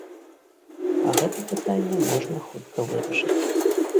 А гэта пытанне можна хутка вырашыць.